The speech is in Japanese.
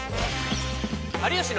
「有吉の」。